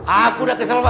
aku udah kesal pak